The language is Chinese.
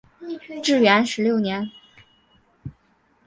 至元十六年。